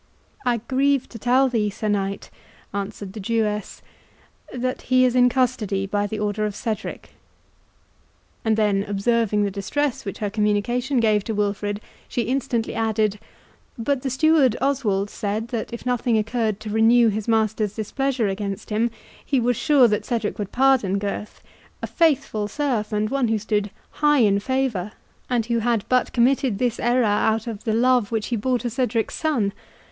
"I grieve to tell thee, Sir Knight," answered the Jewess, "that he is in custody by the order of Cedric."—And then observing the distress which her communication gave to Wilfred, she instantly added, "But the steward Oswald said, that if nothing occurred to renew his master's displeasure against him, he was sure that Cedric would pardon Gurth, a faithful serf, and one who stood high in favour, and who had but committed this error out of the love which he bore to Cedric's son.